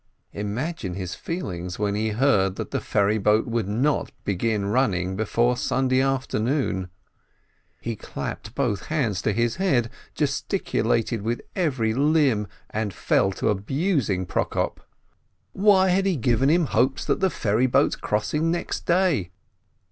Imagine his feelings when he heard that the ferry boat would not begin running before Sunday after noon ! He clapped both hands to his head, gesticulated with every limb, and fell to abusing Prokop. Why had he given him hopes of the ferry boat's crossing next day